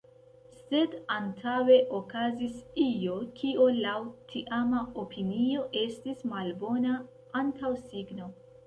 Sed antaŭe okazis io, kio, laŭ tiama opinio, estis malbona antaŭsigno.